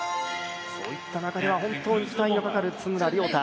そういった中では本当に期待のかかる津村涼太。